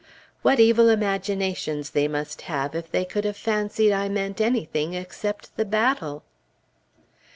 What evil imaginations they must have, if they could have fancied I meant anything except the battle!